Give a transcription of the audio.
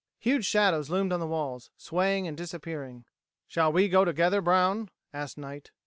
Huge shadows loomed on the walls, swaying and disappearing. "Shall we go together, Brown!" asked Knight.